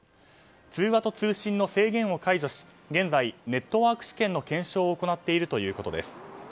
通話と通信の制限を解除し現在、ネットワーク試験の検証を行っているということです。